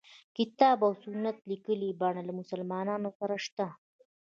کتاب او سنت لیکلي بڼه له مسلمانانو سره شته.